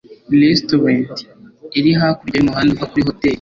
restaurant iri hakurya y'umuhanda uva kuri hoteri